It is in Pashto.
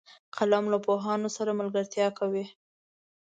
قلم له پوهانو سره ملګرتیا کوي